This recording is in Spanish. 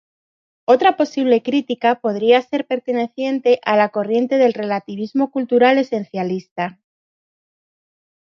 Otra posible crítica, podría ser perteneciente a la corriente del relativismo cultural esencialista.